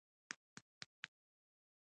پر ساقي مې سترګې ونښتې چې کوټې ته راغلی وو.